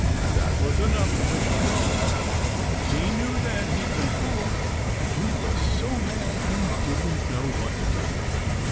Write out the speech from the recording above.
That was enough for Mr. Dog. He knew then he'd been fooled, and he was so mad he didn't know what to do.